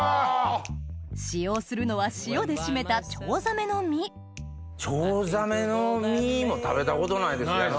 使用するのは塩で締めたチョウザメの身チョウザメの身も食べたことないです。